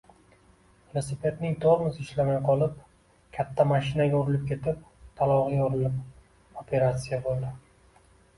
Velosipedining tormizi ishlamay qolib, katta mashinaga urilib ketib, talog`i yorilib operasiya bo`ldi